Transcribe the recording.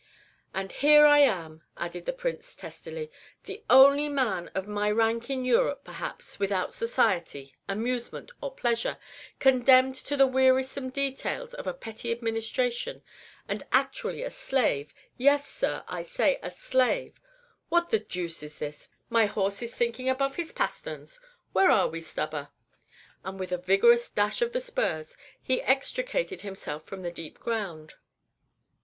"And here I am," added the Prince, testily, "the only man of my rank in Europe, perhaps, without society, amusement, or pleasure, condemned to the wearisome details of a petty administration, and actually a slave, yes, sir, I say, a slave What the deuce is this? My horse is sinking above his pasterns. Where are we, Stubber?" and with a vigorous dash of the spurs he extricated himself from the deep ground.